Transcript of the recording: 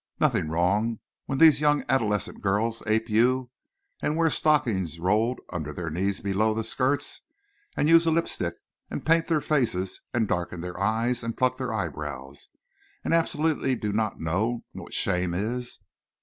Nothing wrong when these young adolescent girls ape you and wear stockings rolled under their knees below their skirts and use a lip stick and paint their faces and darken their eyes and pluck their eyebrows and absolutely do not know what shame is?